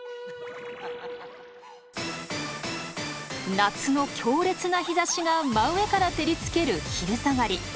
夏の強烈な日ざしが真上から照りつける昼下がり。